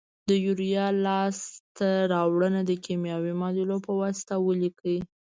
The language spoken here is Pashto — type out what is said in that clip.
د یوریا لاس ته راوړنه د کیمیاوي معادلو په واسطه ولیکئ.